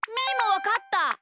わかった！